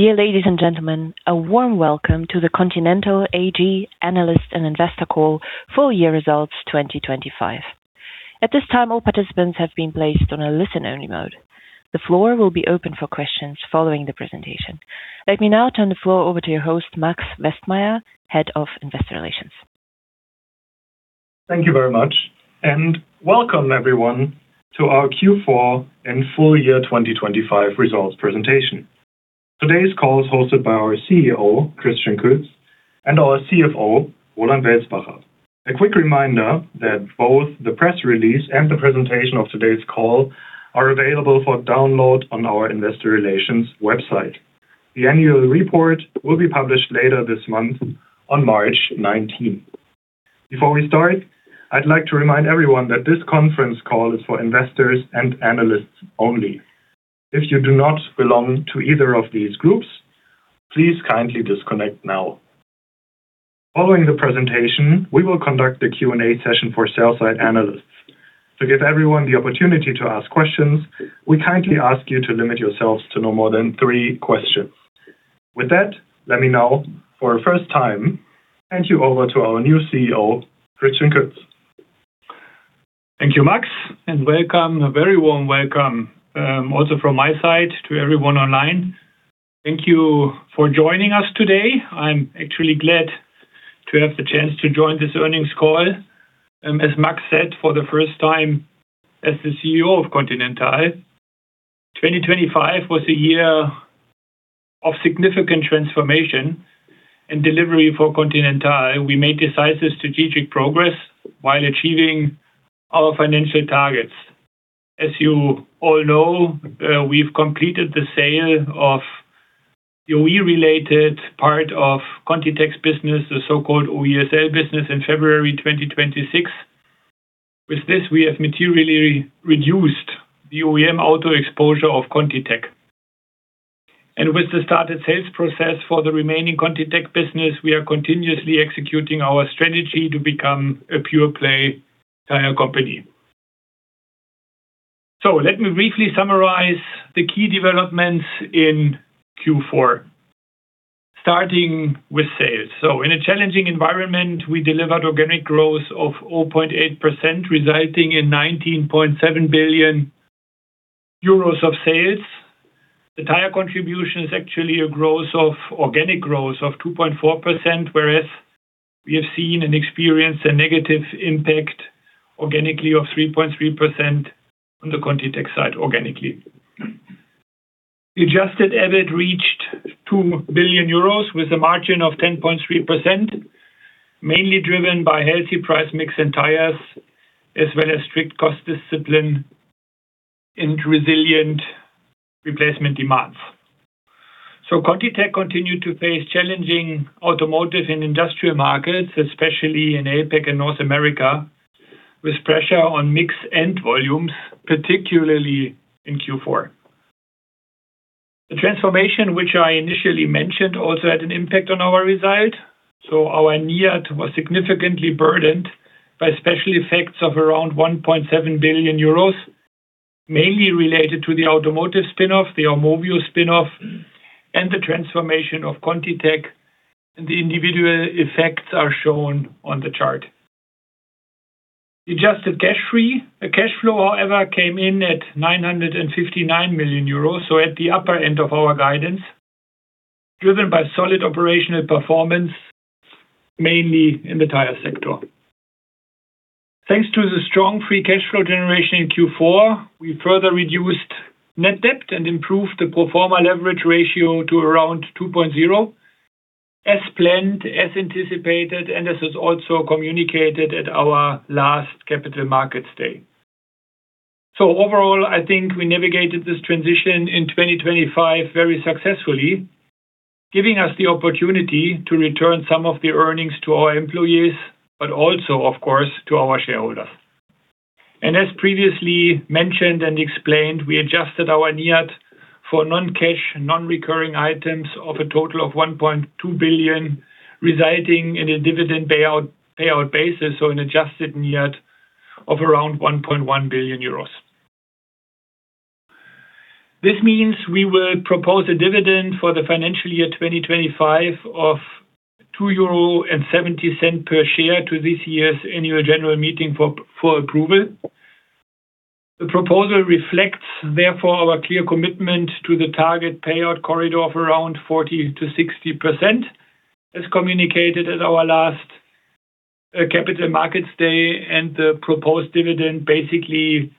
Dear ladies and gentlemen, a warm welcome to the Continental AG Analyst and Investor Call Full Year Results 2025. At this time, all participants have been placed on a listen-only mode. The floor will be open for questions following the presentation. Let me now turn the floor over to your host, Max Westmeyer, Head of Investor Relations. Thank you very much, and welcome everyone to our Q4 and full year 2025 results presentation. Today's call is hosted by our CEO, Christian Kötz, and our CFO, Roland Welzbacher. A quick reminder that both the press release and the presentation of today's call are available for download on our investor relations website. The annual report will be published later this month on March 19th. Before we start, I'd like to remind everyone that this conference call is for investors and analysts only. If you do not belong to either of these groups, please kindly disconnect now. Following the presentation, we will conduct a Q&A session for sell-side analysts. To give everyone the opportunity to ask questions, we kindly ask you to limit yourselves to no more than three questions. With that, let me now for a first time hand you over to our new CEO, Christian Kötz. Thank you, Max, and welcome. A very warm welcome, also from my side to everyone online. Thank you for joining us today. I'm actually glad to have the chance to join this earnings call, as Max said, for the first time as the CEO of Continental. 2025 was a year of significant transformation and delivery for Continental. We made decisive strategic progress while achieving our financial targets. As you all know, we've completed the sale of the OE-related part of ContiTech's business, the so-called OESL business, in February 2026. With this, we have materially reduced the OEM auto exposure of ContiTech. With the started sales process for the remaining ContiTech business, we are continuously executing our strategy to become a pure-play tire company. Let me briefly summarize the key developments in Q4, starting with sales. In a challenging environment, we delivered organic growth of 0.8%, resulting in 19.7 billion euros of sales. The Tire contribution is actually organic growth of 2.4%, whereas we have seen and experienced a negative impact organically of 3.3% on the ContiTech side organically. The Adjusted EBIT reached 2 billion euros with a margin of 10.3%, mainly driven by healthy price-mix in Tires as well as strict cost discipline and resilient replacement demands. ContiTech continued to face challenging automotive and industrial markets, especially in APAC and North America, with pressure on mix and volumes, particularly in Q4. The transformation which I initially mentioned also had an impact on our result. Our NIAT was significantly burdened by special effects of around 1.7 billion euros, mainly related to the automotive spin-off, the Armovio spin-off, and the transformation of ContiTech. The individual effects are shown on the chart. Adjusted cash flow, however, came in at 959 million euros, so at the upper end of our guidance, driven by solid operational performance, mainly in the Tire sector. Thanks to the strong free cash flow generation in Q4, we further reduced net debt and improved the pro forma leverage ratio to around 2.0 as planned, as anticipated, and as is also communicated at our last Capital Markets Day. Overall, I think we navigated this transition in 2025 very successfully, giving us the opportunity to return some of the earnings to our employees, but also, of course, to our shareholders. As previously mentioned and explained, we adjusted our NIAT for non-cash, non-recurring items of a total of 1.2 billion, resulting in a dividend payout basis, so an adjusted NIAT of around 1.1 billion euros. This means we will propose a dividend for the financial year 2025 of 2.70 euro per share to this year's annual general meeting for approval. The proposal reflects therefore our clear commitment to the target payout corridor of around 40%-60%, as communicated at our last Capital Markets Day, the proposed dividend basically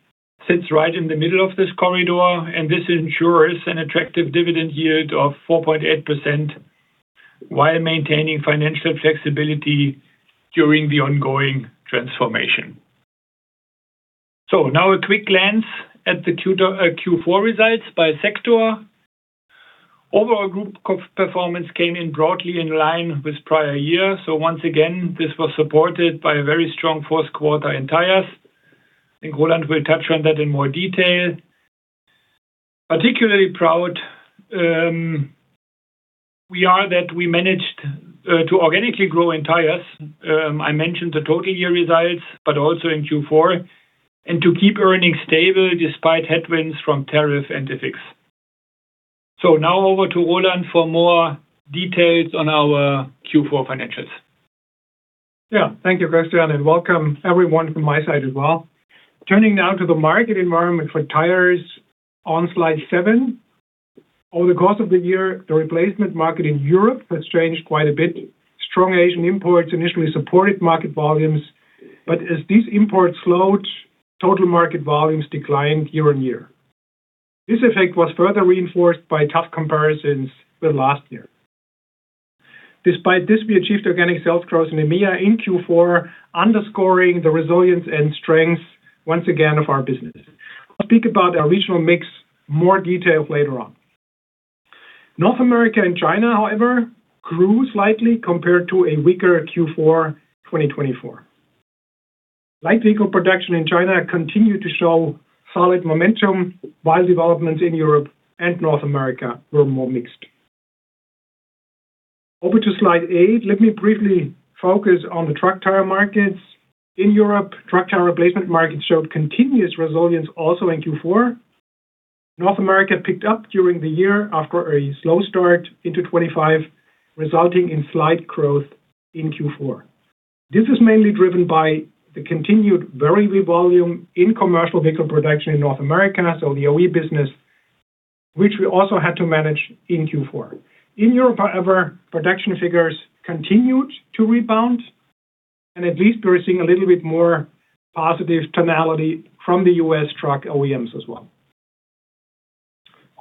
sits right in the middle of this corridor. This ensures an attractive dividend yield of 4.8% while maintaining financial flexibility during the ongoing transformation. Now a quick glance at the Q4 results by sector. Overall group performance came in broadly in line with prior year. Once again, this was supported by a very strong fourth quarter in Tires. I think Roland will touch on that in more detail. Particularly proud, we are that we managed to organically grow in Tires. I mentioned the total year results, but also in Q4, and to keep earnings stable despite headwinds from tariff and FX. Now over to Roland for more details on our Q4 financials. Yeah. Thank you, Christian, and welcome everyone from my side as well. Turning now to the market environment for Tires on slide seven. Over the course of the year, the replacement market in Europe has changed quite a bit. Strong Asian imports initially supported market volumes, but as these imports slowed, total market volumes declined year-on-year. This effect was further reinforced by tough comparisons with last year. Despite this, we achieved organic sales growth in EMEA in Q4, underscoring the resilience and strengths once again of our business. I'll speak about our regional mix in more detail later on. North America and China, however, grew slightly compared to a weaker Q4 2024. Light vehicle production in China continued to show solid momentum, while developments in Europe and North America were more mixed. Over to slide eight. Let me briefly focus on the truck tire markets. In Europe, truck tire replacement markets showed continuous resilience also in Q4. North America picked up during the year after a slow start into 2025, resulting in slight growth in Q4. This is mainly driven by the continued very weak volume in commercial vehicle production in North America, so the OE business, which we also had to manage in Q4. In Europe, however, production figures continued to rebound. At least we are seeing a little bit more positive tonality from the U.S. truck OEMs as well.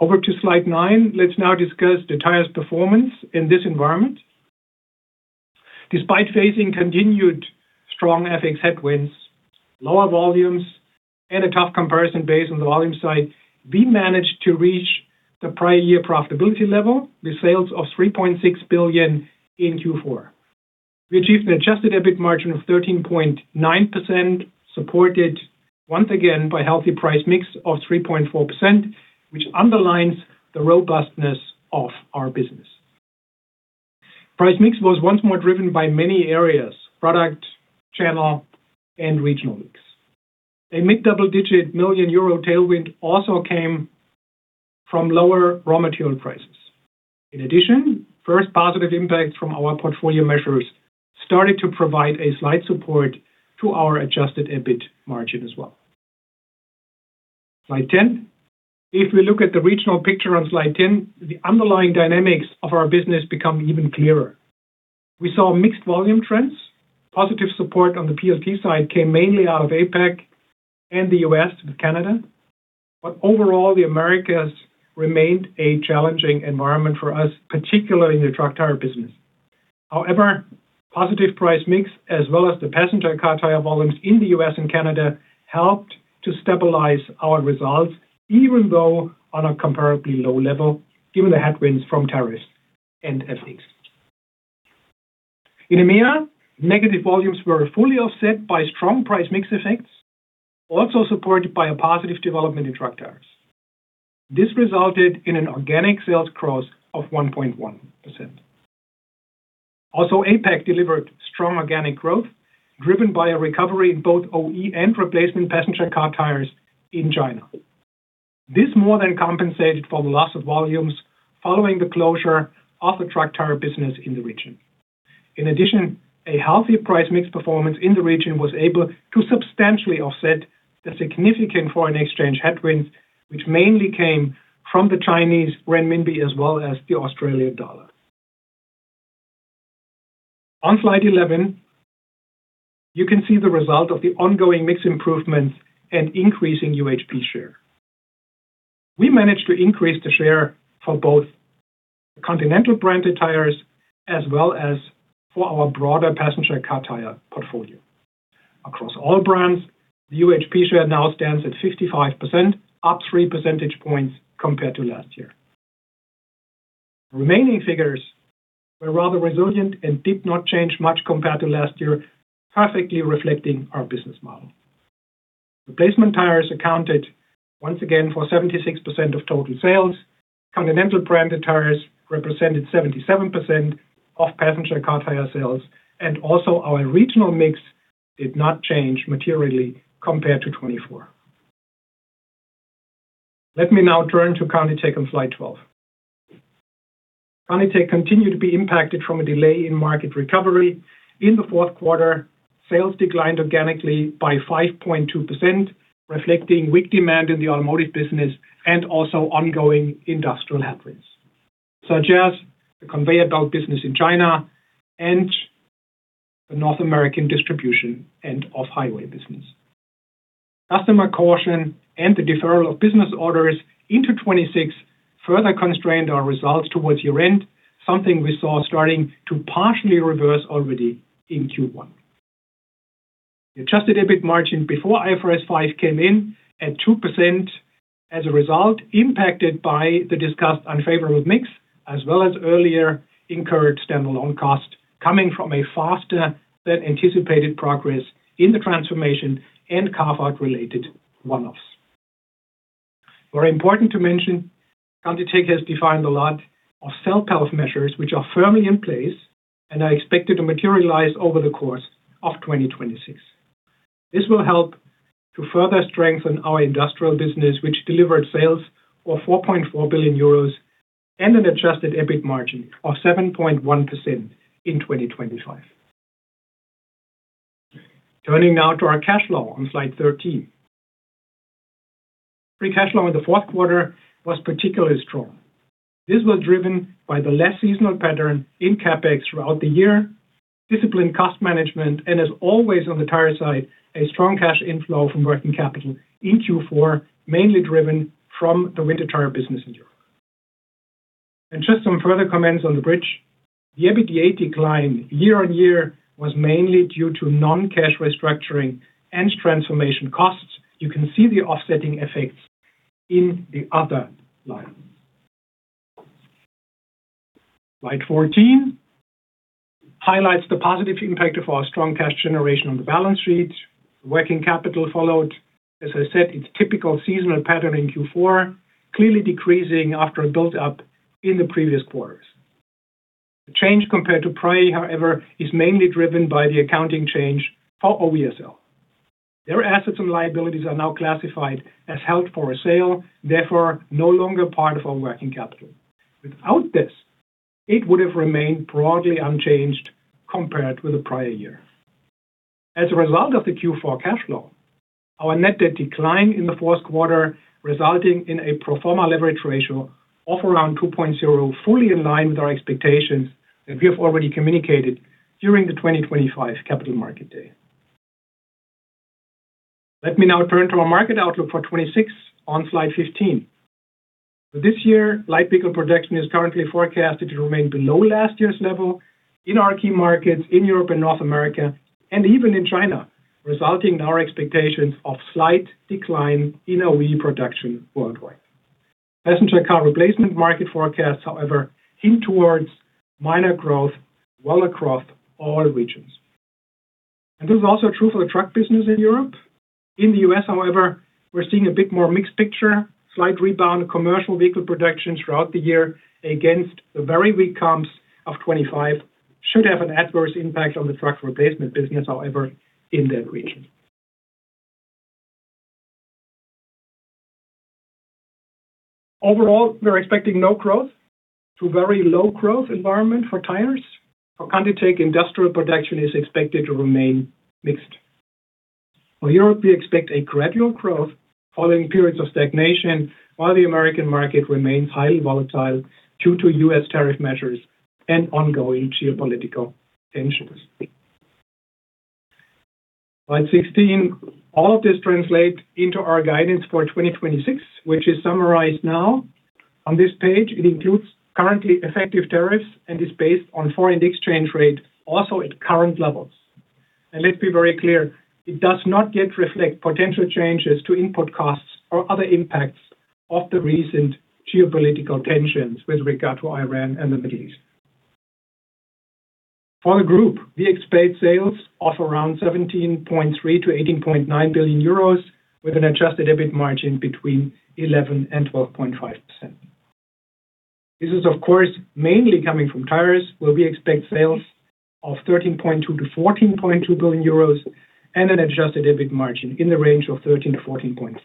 Over to slide nine. Let's now discuss the Tires performance in this environment. Despite facing continued strong FX headwinds, lower volumes, and a tough comparison based on the volume side, we managed to reach the prior year profitability level with sales of 3.6 billion in Q4. We achieved an Adjusted EBIT margin of 13.9%, supported once again by healthy price-mix of 3.4%, which underlines the robustness of our business. Price-mix was once more driven by many areas: product, channel, and regional mix. A mid-double-digit million euro tailwind also came from lower raw material prices. First positive impact from our portfolio measures started to provide a slight support to our Adjusted EBIT margin as well. Slide 10. We look at the regional picture on Slide 10, the underlying dynamics of our business become even clearer. We saw mixed volume trends. Positive support on the PLT side came mainly out of APAC and the U.S. with Canada. Overall, the Americas remained a challenging environment for us, particularly in the truck tire business. Positive price-mix, as well as the passenger car tire volumes in the U.S. and Canada, helped to stabilize our results, even though on a comparably low level, given the headwinds from tariffs and FX. In EMEA, negative volumes were fully offset by strong price-mix effects, also supported by a positive development in truck tires. This resulted in an organic sales growth of 1.1%. APAC delivered strong organic growth driven by a recovery in both OE and replacement passenger car tires in China. This more than compensated for the loss of volumes following the closure of the truck tire business in the region. A healthy price-mix performance in the region was able to substantially offset the significant foreign exchange headwinds, which mainly came from the Chinese renminbi as well as the Australian dollar. On slide 11, you can see the result of the ongoing mix improvements and increase in UHP share. We managed to increase the share for both Continental branded tires as well as for our broader passenger car tire portfolio. Across all brands, the UHP share now stands at 55%, up 3 percentage points compared to last year. Remaining figures were rather resilient and did not change much compared to last year, perfectly reflecting our business model. Replacement tires accounted once again for 76% of total sales. Continental branded tires represented 77% of passenger car tire sales. Also our regional mix did not change materially compared to 2024. Let me now turn to ContiTech on slide 12. ContiTech continued to be impacted from a delay in market recovery. In the fourth quarter, sales declined organically by 5.2%, reflecting weak demand in the automotive business and also ongoing industrial headwinds, such as the conveyor belt business in China and the North American distribution and off-highway business. Customer caution and the deferral of business orders into 2026 further constrained our results towards year-end, something we saw starting to partially reverse already in Q1. The Adjusted EBIT margin before IFRS 5 came in at 2% as a result, impacted by the discussed unfavorable mix as well as earlier incurred standalone costs coming from a faster than anticipated progress in the transformation and Carve-out related one-offs. Very important to mention, ContiTech has defined a lot of self-help measures which are firmly in place and are expected to materialize over the course of 2026. This will help to further strengthen our industrial business, which delivered sales of 4.4 billion euros and an Adjusted EBIT margin of 7.1% in 2025. Turning now to our cash flow on slide 13. Free cash flow in the fourth quarter was particularly strong. This was driven by the less seasonal pattern in CapEx throughout the year, disciplined cost management, and as always on the tire side, a strong cash inflow from working capital in Q4, mainly driven from the winter tire business in Europe. Just some further comments on the bridge. The EBITDA decline year-over-year was mainly due to non-cash restructuring and transformation costs. You can see the offsetting effects in the other line. Slide 14 highlights the positive impact of our strong cash generation on the balance sheet. Working capital followed. As I said, its typical seasonal pattern in Q4, clearly decreasing after a build up in the previous quarters. The change compared to prior, however, is mainly driven by the accounting change for OESL. Their assets and liabilities are now classified as held for a sale, therefore no longer part of our working capital. Without this, it would have remained broadly unchanged compared with the prior year. As a result of the Q4 cash flow, our net debt declined in the fourth quarter, resulting in a pro forma leverage ratio of around 2.0, fully in line with our expectations that we have already communicated during the 2025 Capital Market Day. Let me now turn to our market outlook for 2026 on slide 15. For this year, light vehicle production is currently forecasted to remain below last year's level in our key markets in Europe and North America, and even in China, resulting in our expectations of slight decline in OE production worldwide. Passenger car replacement market forecasts, however, hint towards minor growth well across all regions. This is also true for the truck business in Europe. In the U.S., however, we're seeing a bit more mixed picture. Slight rebound of commercial vehicle production throughout the year against the very weak comps of 2025 should have an adverse impact on the truck replacement business, however, in that region. Overall, we're expecting no growth to very low growth environment for Tires. For ContiTech, industrial production is expected to remain mixed. For Europe, we expect a gradual growth following periods of stagnation, while the American market remains highly volatile due to U.S. tariff measures and ongoing geopolitical tensions. Slide 16, all of this translate into our guidance for 2026, which is summarized now on this page. It includes currently effective tariffs and is based on foreign exchange rate also at current levels. Let's be very clear, it does not yet reflect potential changes to input costs or other impacts of the recent geopolitical tensions with regard to Iran and the Middle East. For the group, we expect sales of around 17.3 billion-18.9 billion euros with an Adjusted EBIT margin between 11% and 12.5%. This is, of course, mainly coming from Tires, where we expect sales of 13.2 billion-14.2 billion euros and an Adjusted EBIT margin in the range of 13%-14.5%.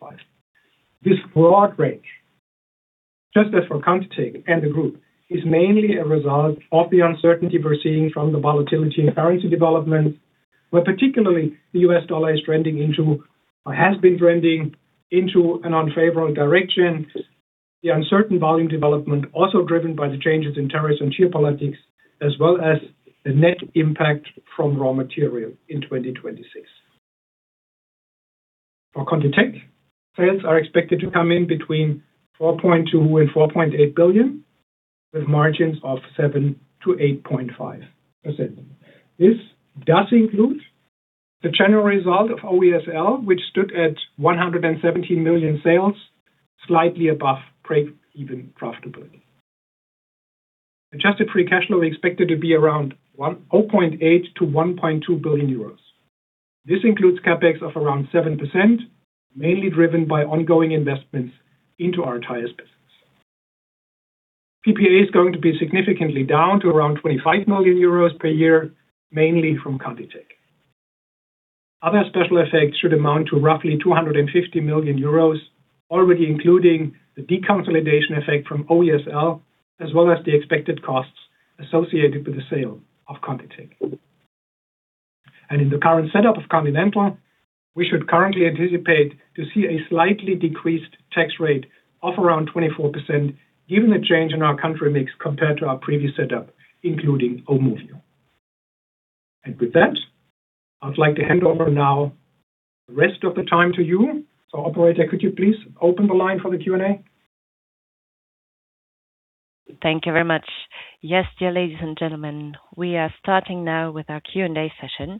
This broad range, just as for ContiTech and the group, is mainly a result of the uncertainty we're seeing from the volatility in currency developments, where particularly the US dollar is trending into or has been trending into an unfavorable direction. The uncertain volume development also driven by the changes in tariffs and geopolitics, as well as the net impact from raw material in 2026. For ContiTech, sales are expected to come in between 4.2 billion and 4.8 billion, with margins of 7%-8.5%. This does include the general result of OESL, which stood at 117 million sales, slightly above break-even profitability. Adjusted free cash flow expected to be around 0.8 billion-1.2 billion euros. This includes CapEx of around 7%, mainly driven by ongoing investments into our tires business. PPA is going to be significantly down to around 25 million euros per year, mainly from ContiTech. Other special effects should amount to roughly 250 million euros, already including the deconsolidation effect from OESL, as well as the expected costs associated with the sale of ContiTech. In the current setup of Continental, we should currently anticipate to see a slightly decreased tax rate of around 24%, given the change in our country mix compared to our previous setup, including Armovio. With that, I'd like to hand over now the rest of the time to you. Operator, could you please open the line for the Q&A? Thank you very much. Yes, dear ladies and gentlemen, we are starting now with our Q&A session.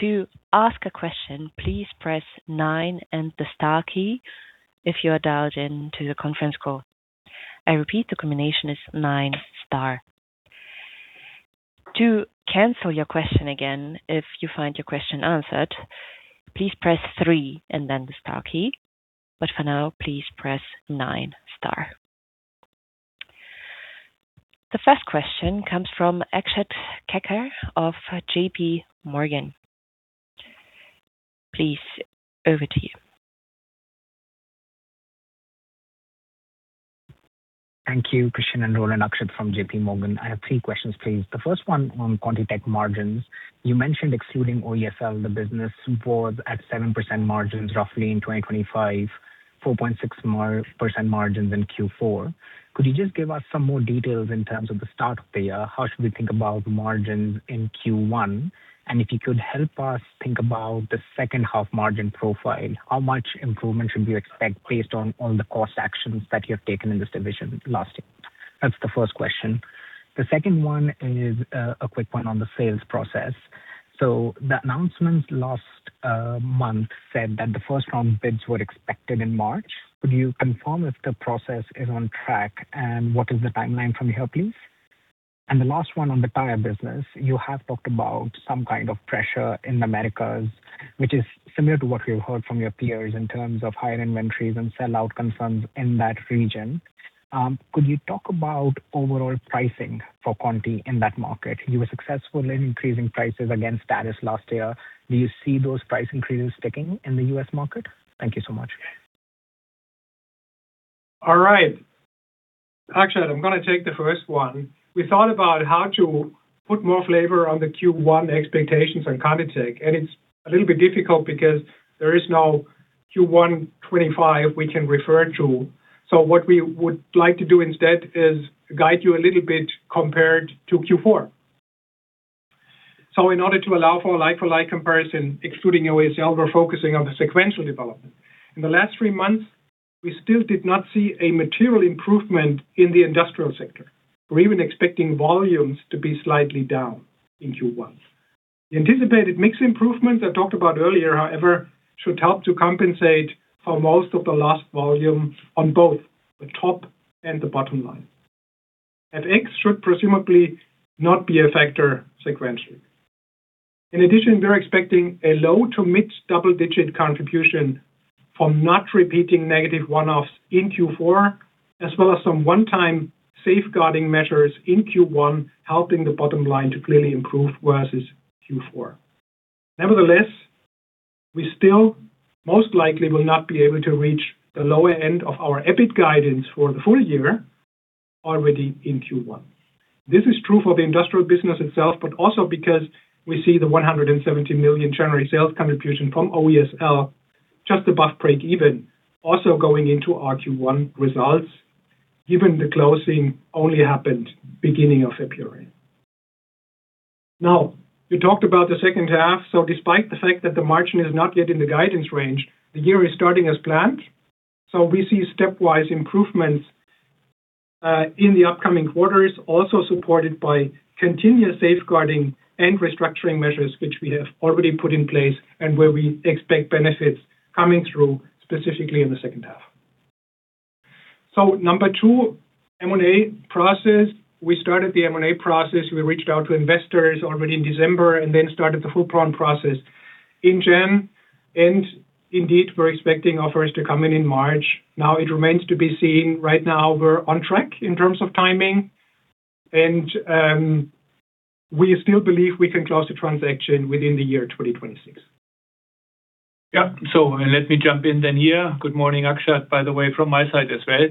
To ask a question, please press nine and the star key if you are dialed into the conference call. I repeat, the combination is nine, star. To cancel your question again, if you find your question answered, please press three and then the star key. For now, please press nine, star. The first question comes from Akshat Kacker of J.P. Morgan. Please, over to you. Thank you, Christian and Roland. Akshat from J.P. Morgan. I have three questions, please. The first one on ContiTech margins. You mentioned excluding OESL, the business was at 7% margins roughly in 2025, 4.6% margins in Q4. Could you just give us some more details in terms of the start of the year? How should we think about margins in Q1? If you could help us think about the second half margin profile, how much improvement should we expect based on all the cost actions that you have taken in this division last year? That's the first question. The second one is a quick one on the sales process. The announcement last month said that the first-round bids were expected in March. Could you confirm if the process is on track, and what is the timeline from here, please? The last one on the tire business. You have talked about some kind of pressure in Americas, which is similar to what we've heard from your peers in terms of higher inventories and sell-out concerns in that region. Could you talk about overall pricing for Conti in that market? You were successful in increasing prices against status last year. Do you see those price increases sticking in the U.S. market? Thank you so much. All right. Akshat, I'm gonna take the first one. We thought about how to put more flavor on the Q1 expectations on ContiTech. It's a little bit difficult because there is no Q1 2025 we can refer to. What we would like to do instead is guide you a little bit compared to Q4. In order to allow for a like-for-like comparison, excluding OESL, we're focusing on the sequential development. In the last three months, we still did not see a material improvement in the industrial sector. We're even expecting volumes to be slightly down in Q1. The anticipated mix improvement I talked about earlier, however, should help to compensate for most of the lost volume on both the top and the bottom line. X should presumably not be a factor sequentially. We're expecting a low to mid double-digit contribution from not repeating negative one-offs in Q4, as well as some one-time safeguarding measures in Q1, helping the bottom line to clearly improve versus Q4. We still most likely will not be able to reach the lower end of our EBIT guidance for the full year already in Q1. This is true for the industrial business itself, but also because we see the 170 million January sales contribution from OESL, just above break even, also going into our Q1 results, given the closing only happened beginning of February. We talked about the second half. Despite the fact that the margin is not yet in the guidance range, the year is starting as planned. We see stepwise improvements in the upcoming quarters, also supported by continuous safeguarding and restructuring measures, which we have already put in place and where we expect benefits coming through, specifically in the second half. Number two, M&A process. We started the M&A process. We reached out to investors already in December and then started the full-blown process in January, and indeed, we're expecting offers to come in in March. Now, it remains to be seen. Right now, we're on track in terms of timing and we still believe we can close the transaction within the year 2026. Yeah. Let me jump in then here. Good morning, Akshat, by the way, from my side as well.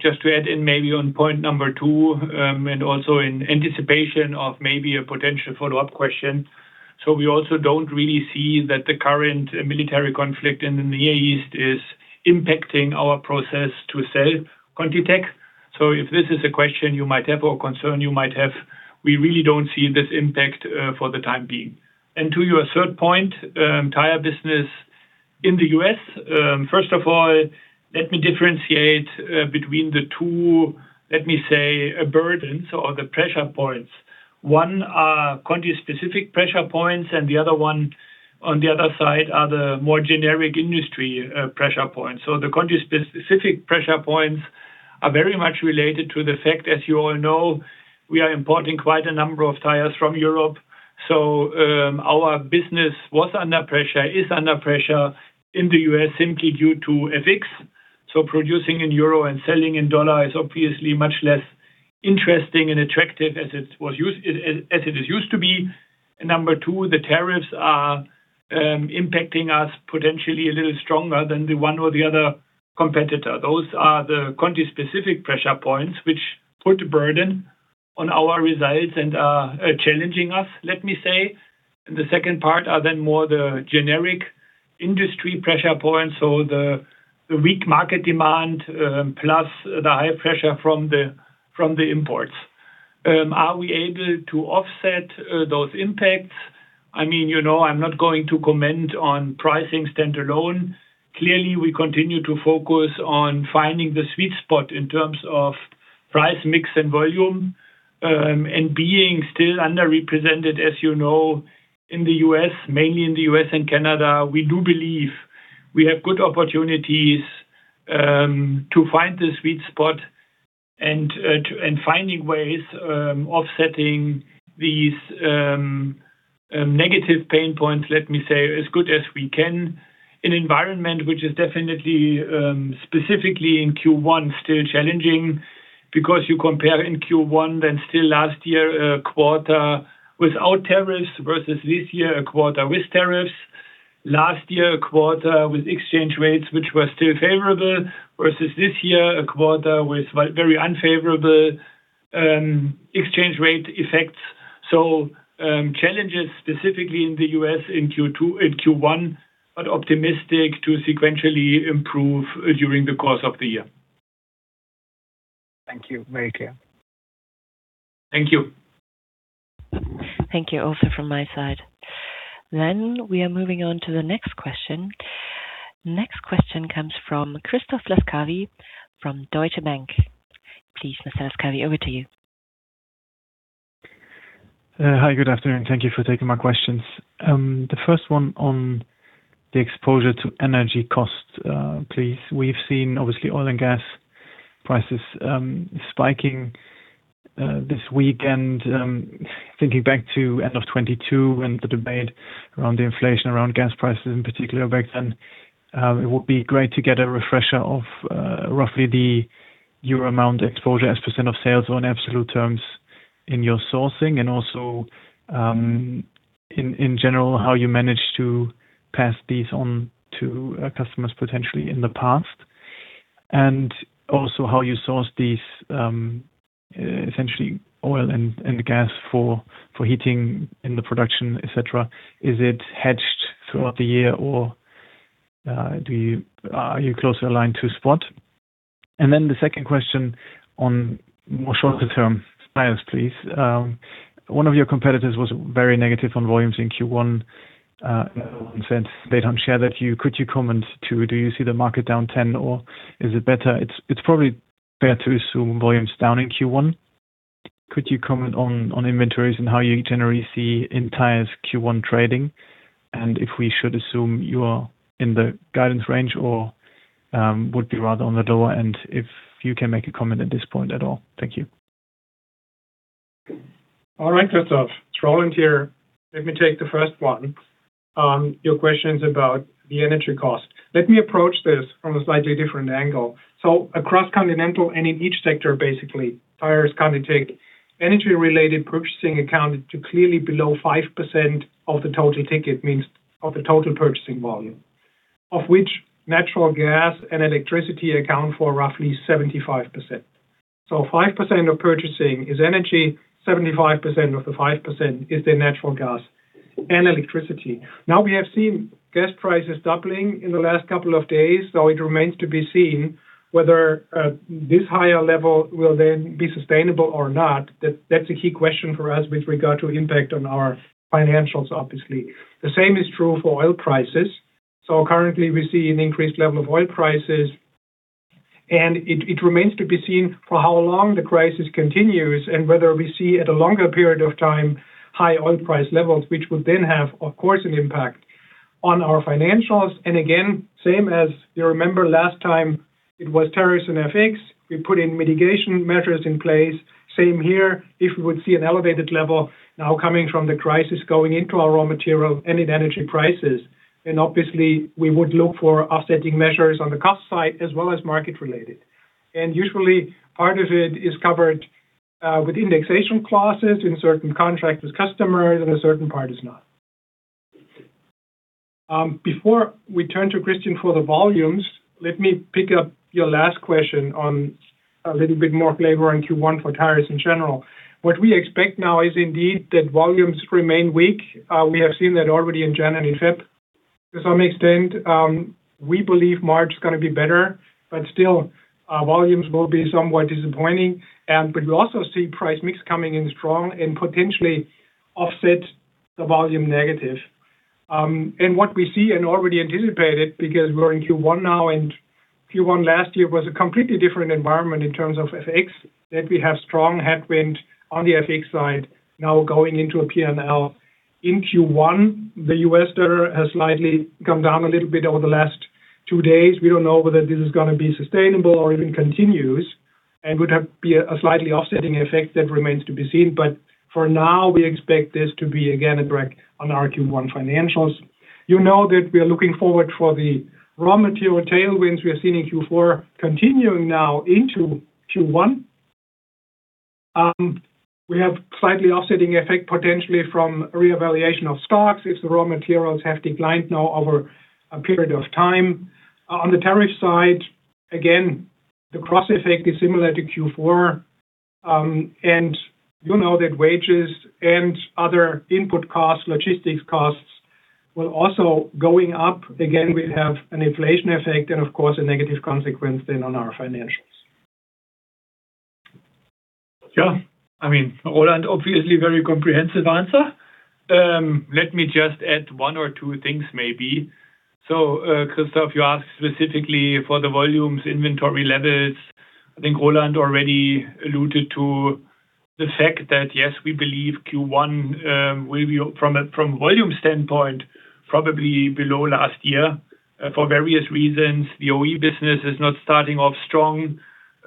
Just to add in maybe on point number two, and also in anticipation of maybe a potential follow-up question. We also don't really see that the current military conflict in the Near East is impacting our process to sell ContiTech. If this is a question you might have or a concern you might have, we really don't see this impact for the time being. To your third point, tire business in the U.S. First of all, let me differentiate between the two, let me say, burdens or the pressure points. One are Conti-specific pressure points, and the other one on the other side are the more generic industry pressure points. The Conti-specific pressure points are very much related to the fact, as you all know, we are importing quite a number of tires from Europe. Our business was under pressure, is under pressure in the U.S. simply due to FX. Producing in euro and selling in dollar is obviously much less interesting and attractive as it used to be. Number two. The tariffs are impacting us potentially a little stronger than the one or the other competitor. Those are the Conti-specific pressure points which put a burden on our results and are challenging us, let me say. The second part are more the generic industry pressure points, so the weak market demand plus the high pressure from the imports. Are we able to offset those impacts? I mean, you know I'm not going to comment on pricing stand-alone. Clearly, we continue to focus on finding the sweet spot in terms of price-mix and volume. And being still underrepresented, as you know, in the U.S., mainly in the U.S. and Canada, we do believe we have good opportunities to find the sweet spot and finding ways offsetting these negative pain points, let me say, as good as we can. An environment which is definitely specifically in Q1 still challenging because you compare in Q1 than still last year, a quarter without tariffs versus this year, a quarter with tariffs. Last year, a quarter with exchange rates which were still favorable versus this year, a quarter with very unfavorable exchange rate effects. Challenges specifically in the U.S. in Q2... In Q1, optimistic to sequentially improve, during the course of the year. Thank you. Very clear. Thank you. Thank you also from my side. We are moving on to the next question. Next question comes from Christoph Laskawi from Deutsche Bank. Please, Mr. Laskawi, over to you. Hi, good afternoon. Thank you for taking my questions. The first one on the exposure to energy costs, please. We've seen obviously oil and gas prices spiking this week. Thinking back to end of 2022 and the debate around the inflation around gas prices in particular back then, it would be great to get a refresher of roughly the euro amount exposure as percent of sales or in absolute terms in your sourcing and also, in general, how you managed to pass these on to customers potentially in the past. Also how you source these essentially oil and gas for heating in the production, et cetera. Is it hedged throughout the year or, are you closely aligned to spot? The second question on more shorter term Tires please. One of your competitors was very negative on volumes in Q1. One said they don't share that. Could you comment to do you see the market down 10% or is it better? It's probably fair to assume volume's down in Q1. Could you comment on inventories and how you generally see Tires Q1 trading, and if we should assume you are in the guidance range or would be rather on the lower end, if you can make a comment at this point at all. Thank you. All right, Christoph. It's Roland here. Let me take the first one. Your questions about the energy cost. Let me approach this from a slightly different angle. Across Continental and in each sector, basically, tires, ContiTech. Energy-related purchasing accounted to clearly below 5% of the total ticket, means of the total purchasing volume, of which natural gas and electricity account for roughly 75%. 5% of purchasing is energy, 75% of the 5% is the natural gas and electricity. We have seen gas prices doubling in the last couple of days, so it remains to be seen whether this higher level will then be sustainable or not. That's a key question for us with regard to impact on our financials, obviously. The same is true for oil prices. Currently we see an increased level of oil prices, it remains to be seen for how long the crisis continues and whether we see at a longer period of time, high oil price levels, which will then have, of course, an impact on our financials. Again, same as you remember last time it was tariffs and FX, we put in mitigation measures in place. Same here. If we would see an elevated level now coming from the crisis going into our raw material and in energy prices, obviously we would look for offsetting measures on the cost side as well as market related. Usually part of it is covered with indexation clauses in certain contract with customers, and a certain part is not. Before we turn to Christian for the volumes, let me pick up your last question on a little bit more flavor on Q1 for Tires in general. What we expect now is indeed that volumes remain weak. We have seen that already in January and in February. To some extent, we believe March is gonna be better, but still, volumes will be somewhat disappointing. We also see price-mix coming in strong and potentially offset the volume negative. What we see and already anticipated because we're in Q1 now, and Q1 last year was a completely different environment in terms of FX, that we have strong headwind on the FX side now going into a P&L. In Q1, the US dollar has slightly come down a little bit over the last two days. We don't know whether this is gonna be sustainable or even continues and would be a slightly offsetting effect that remains to be seen. For now, we expect this to be, again, a break on our Q1 financials. You know that we are looking forward for the raw material tailwinds we are seeing in Q4 continuing now into Q1. We have slightly offsetting effect potentially from reevaluation of stocks as the raw materials have declined now over a period of time. On the tariff side, again, the cross effect is similar to Q4. You know that wages and other input costs, logistics costs, will also going up. Again, we have an inflation effect and of course a negative consequence then on our financials. Yeah. I mean, Roland, obviously very comprehensive answer. Let me just add one or two things maybe. Christoph, you asked specifically for the volumes, inventory levels. I think Roland already alluded to the fact that, yes, we believe Q1 will be from a, from volume standpoint, probably below last year for various reasons. The OE business is not starting off strong.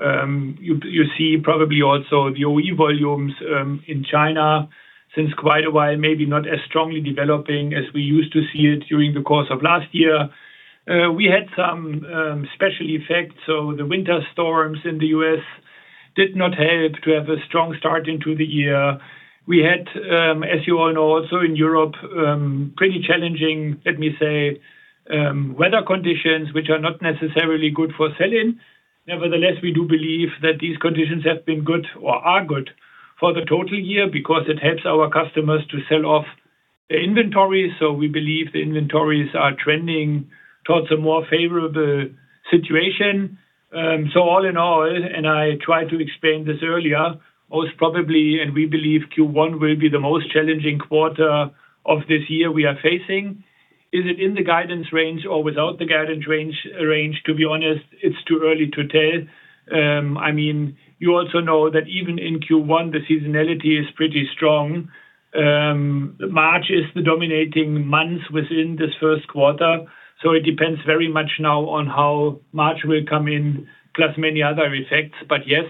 You see probably also the OE volumes in China since quite a while, maybe not as strongly developing as we used to see it during the course of last year. We had some special effects. The winter storms in the U.S. did not help to have a strong start into the year. We had, as you all know, also in Europe, pretty challenging, let me say, weather conditions, which are not necessarily good for selling. Nevertheless, we do believe that these conditions have been good or are good for the total year because it helps our customers to sell off their inventory. We believe the inventories are trending towards a more favorable situation. All in all, and I tried to explain this earlier, most probably, and we believe Q1 will be the most challenging quarter of this year we are facing. Is it in the guidance range or without the guidance range? To be honest, it's too early to tell. I mean, you also know that even in Q1 the seasonality is pretty strong. March is the dominating month within this first quarter. It depends very much now on how March will come in, plus many other effects. Yes,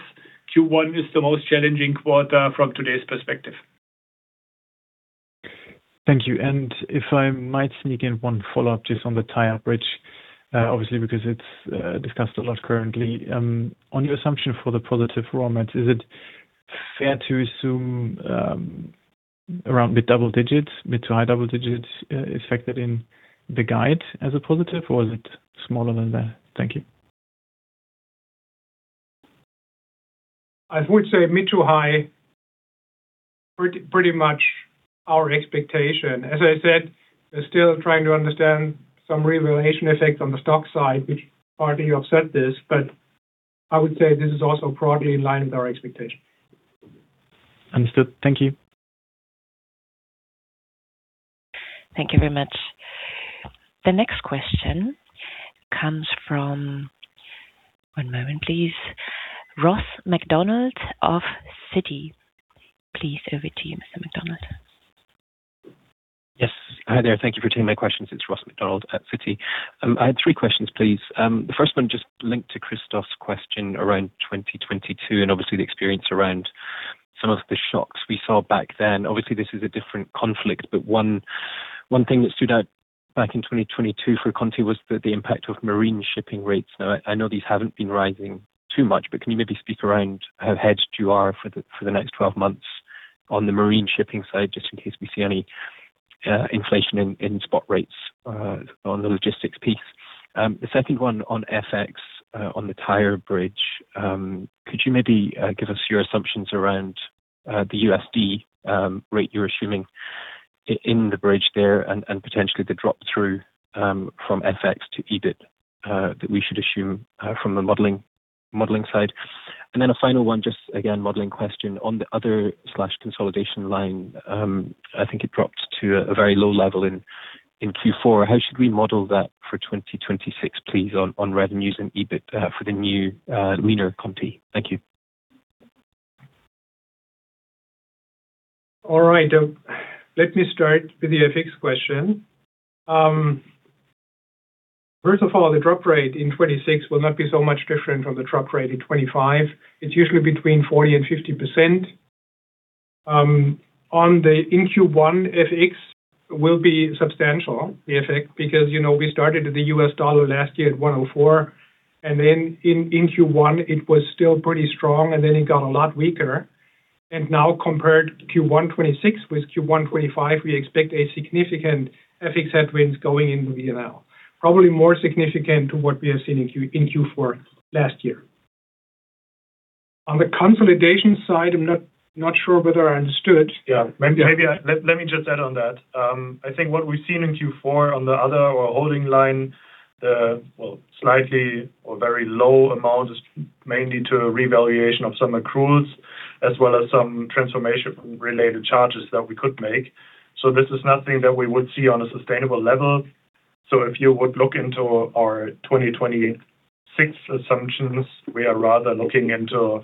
Q1 is the most challenging quarter from today's perspective. Thank you. If I might sneak in one follow-up just on the Tire bridge, obviously because it's discussed a lot currently. On your assumption for the positive raw materials, is it fair to assume around mid double digits, mid to high double digits, effected in the guide as a positive, or is it smaller than that? Thank you. I would say mid to high, pretty much our expectation. As I said, we're still trying to understand some revaluation effects on the stock side, which partly offset this. I would say this is also broadly in line with our expectation. Understood. Thank you. Thank you very much. The next question comes from... One moment, please. Ross MacDonald of Citi. Please, over to you, Mr. MacDonald. Hi there. Thank you for taking my questions. It's Ross MacDonald at Citi. I had three questions, please. The first one just linked to Christoph's question around 2022 and obviously the experience around some of the shocks we saw back then. Obviously, this is a different conflict, but one thing that stood out back in 2022 for Conti was the impact of marine shipping rates. Now, I know these haven't been rising too much, but can you maybe speak around how hedged you are for the next 12 months on the marine shipping side, just in case we see any inflation in spot rates on the logistics piece? The second one on FX, on the Tire bridge. Could you maybe give us your assumptions around the USD rate you're assuming in the bridge there and potentially the drop through from FX to EBIT that we should assume from the modeling side. A final one, just again, modeling question. On the other/consolidation line, I think it dropped to a very low level in Q4. How should we model that for 2026, please, on revenues and EBIT for the new, leaner Conti? Thank you. All right. Let me start with the FX question. First of all, the drop rate in 26 will not be so much different from the drop rate in 25. It's usually between 40% and 50%. In Q1, FX will be substantial, the effect, because, you know, we started the US dollar last year at 1.04, and then in Q1 it was still pretty strong, and then it got a lot weaker. Now compared Q1 26 with Q1 25, we expect a significant FX headwinds going into the year now, probably more significant to what we have seen in Q4 last year. On the consolidation side, I'm not sure whether I understood. Yeah. Maybe I. Let me just add on that. I think what we've seen in Q4 on the other or holding line, the, well, slightly or very low amount is mainly to a revaluation of some accruals as well as some transformation related charges that we could make. This is nothing that we would see on a sustainable level. If you would look into our 2026 assumptions, we are rather looking into,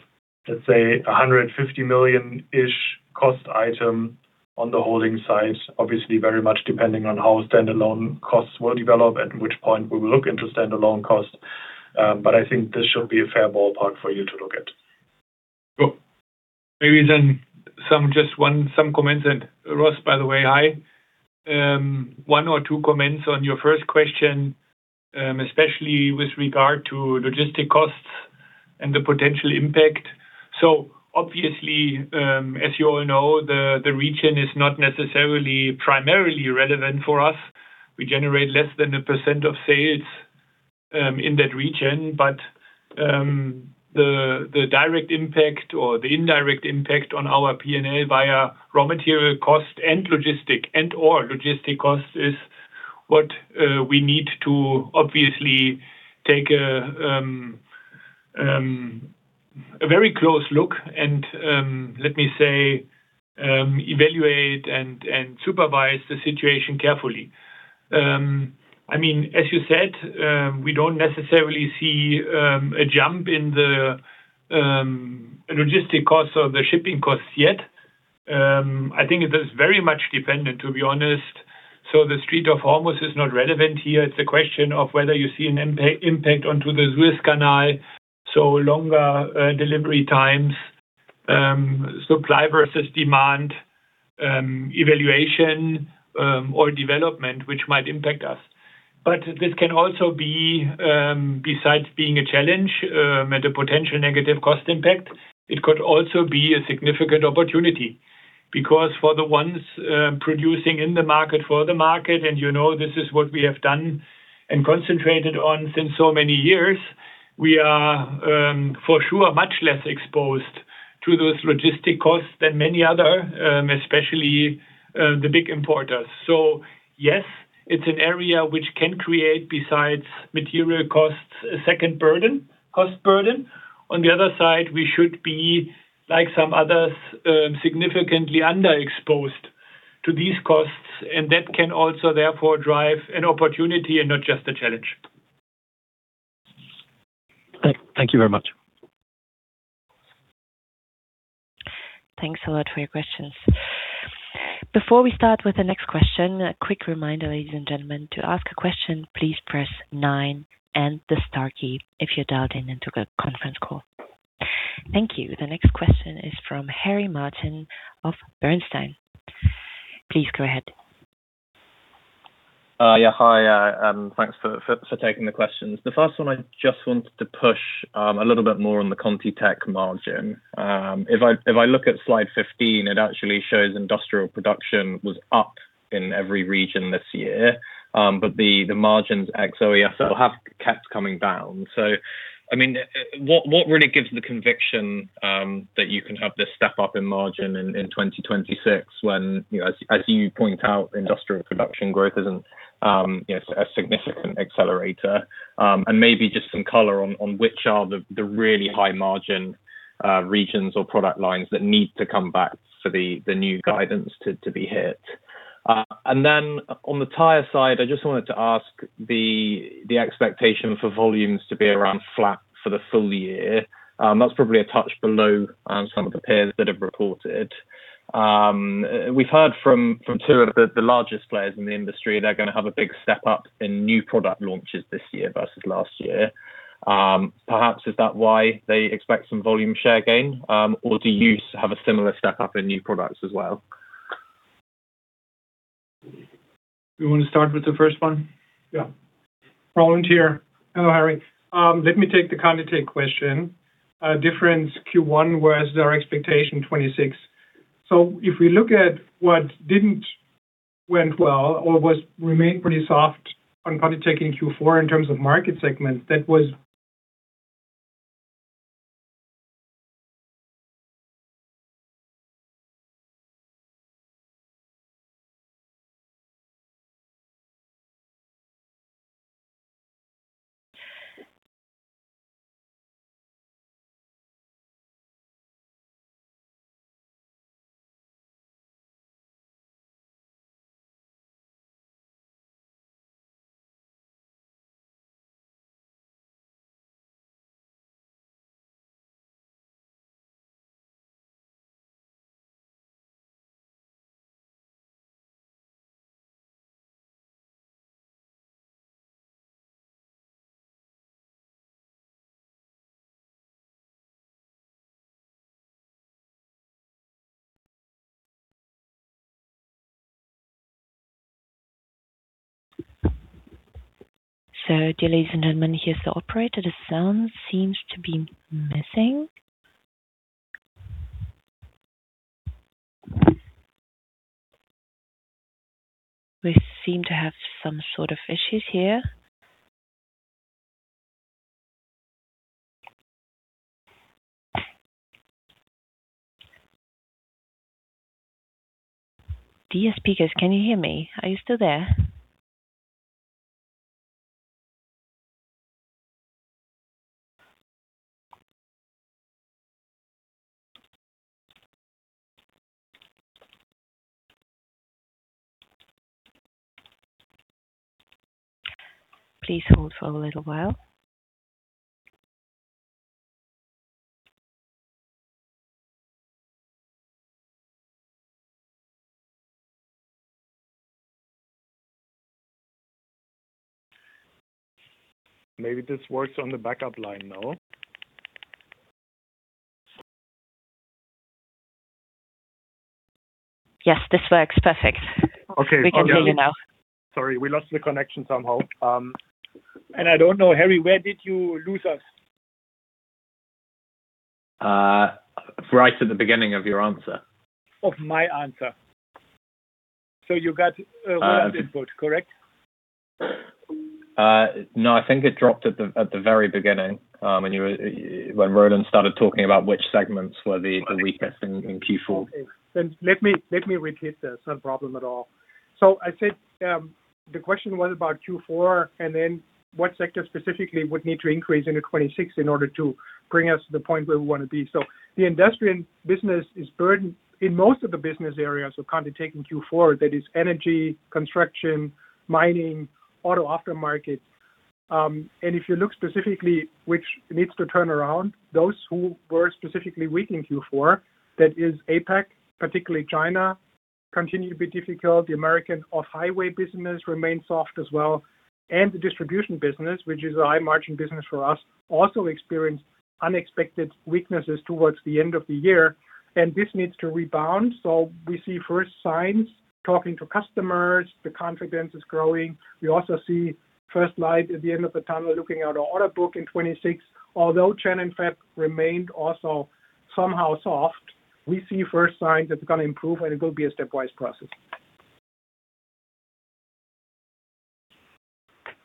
let's say, a 150 million-ish cost item on the holding side, obviously very much depending on how standalone costs will develop, at which point we will look into standalone costs. I think this should be a fair ballpark for you to look at. Cool. Maybe some comments. Ross, by the way, hi. One or two comments on your first question, especially with regard to logistic costs and the potential impact. Obviously, as you all know, the region is not necessarily primarily relevant for us. We generate less than 1% of sales in that region. The direct impact or the indirect impact on our P&L via raw material cost and logistic and/or logistic cost is what we need to obviously take a very close look. Let me evaluate and supervise the situation carefully. I mean, as you said, we don't necessarily see a jump in the logistic costs or the shipping costs yet. I think it is very much dependent, to be honest. The Strait of Hormuz is not relevant here. It's a question of whether you see an impact onto the Suez Canal, so longer delivery times, supply versus demand evaluation or development which might impact us. This can also be, besides being a challenge, and a potential negative cost impact, it could also be a significant opportunity. For the ones producing in the market for the market, and you know this is what we have done and concentrated on since so many years, we are, for sure, much less exposed to those logistic costs than many other, especially the big importers. Yes, it's an area which can create, besides material costs, a second burden, cost burden. On the other side, we should be, like some others, significantly underexposed to these costs. That can also therefore drive an opportunity and not just a challenge. Thank you very much. Thanks a lot for your questions. Before we start with the next question, a quick reminder, ladies and gentlemen, to ask a question, please press nine and the star key if you're dialed in into the conference call. Thank you. The next question is from Harry Martin of Bernstein. Please go ahead. Yeah, hi, thanks for taking the questions. The first one, I just wanted to push a little bit more on the ContiTech margin. If I look at slide 15, it actually shows industrial production was up in every region this year, but the margins ex OESL have kept coming down. I mean, what really gives the conviction that you can have this step-up in margin in 2026 when, you know, as you point out, industrial production growth isn't, you know, a significant accelerator? Maybe just some color on which are the really high margin regions or product lines that need to come back for the new guidance to be hit? On the Tire side, I just wanted to ask the expectation for volumes to be around flat for the full year. That's probably a touch below some of the peers that have reported. We've heard from two of the largest players in the industry, they're gonna have a big step-up in new product launches this year versus last year. Perhaps is that why they expect some volume share gain? Or do you have a similar step-up in new products as well? You want to start with the first one? Yeah. Roland here. Hello, Harry. Let me take the ContiTech question. Difference Q1 was our expectation 2026. If we look at what didn't went well or was remained pretty soft on ContiTech in Q4 in terms of market segments. Dear ladies and gentlemen, here's the operator. The sound seems to be missing. We seem to have some sort of issues here. Dear speakers, can you hear me? Are you still there? Please hold for a little while. Maybe this works on the backup line now. Yes, this works. Perfect. Okay. We can hear you now. Sorry, we lost the connection somehow. I don't know, Harry, where did you lose us? Right at the beginning of your answer. Of my answer. You got Roland's input, correct? No, I think it dropped at the very beginning, when Roland started talking about which segments were the weakest in Q4. Okay. Let me repeat that. It's not a problem at all. I said, the question was about Q4 what sector specifically would need to increase into 2026 in order to bring us to the point where we want to be. The industrial business is burdened in most of the business areas of Conti taking Q4. That is energy, construction, mining, auto aftermarket. If you look specifically which needs to turn around, those who were specifically weak in Q4, that is APAC, particularly China, continue to be difficult. The American off-highway business remains soft as well. The distribution business, which is a high margin business for us, also experienced unexpected weaknesses towards the end of the year, and this needs to rebound. We see first signs talking to customers. The confidence is growing. We also see first light at the end of the tunnel looking at our order book in 2026. China, in fact, remained also somehow soft. We see first signs it's going to improve, and it will be a stepwise process.